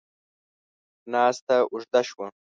ناسته اوږده شوه.